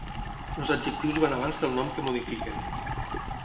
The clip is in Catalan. Els adjectius van abans del nom que modifiquen.